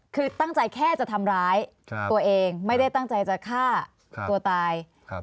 คือตั้งใจแค่จะทำร้ายตัวเองไม่ได้ตั้งใจจะฆ่าตัวตาย